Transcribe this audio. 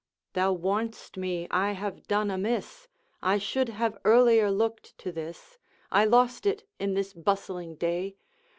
'Thou warn'st me I have done amiss, I should have earlier looked to this; I lost it in this bustling day.